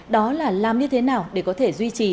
đó là làm như thế nào để có thể duy trì